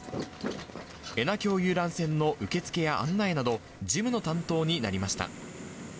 恵那峡遊覧船の受付や案内など、事務の担当になりました。